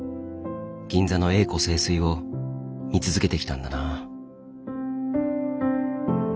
銀座の栄枯盛衰を見続けてきたんだな。